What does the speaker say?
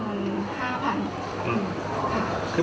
ก็คือมีการต่อรองเหลือ๒๕๐๐๐